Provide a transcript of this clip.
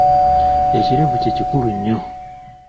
Ekirevu kye kikulu nnyo.